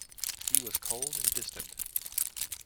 He was cold and distant.